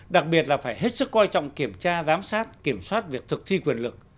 đặc biệt là phải hết sức coi trọng kiểm tra giám sát kiểm soát việc thực thi quyền lực